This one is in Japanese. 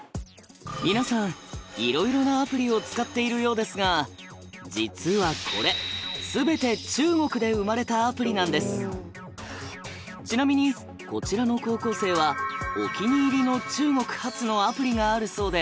皆さんいろいろなアプリを使っているようですが実はこれ全てちなみにこちらの高校生はお気に入りの中国発のアプリがあるそうで。